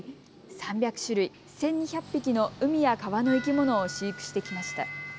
３００種類１２００匹の海や川の生き物を飼育してきました。